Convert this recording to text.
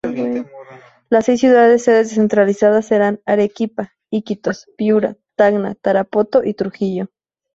Las seis ciudades, sedes descentralizadas; serán: Arequipa, Iquitos, Piura, Tacna, Tarapoto y Trujillo.